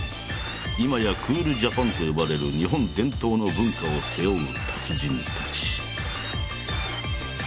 今や「クールジャパン」と呼ばれる日本伝統の文化を背負う達人達。